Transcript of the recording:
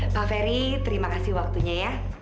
pak ferry terima kasih waktunya ya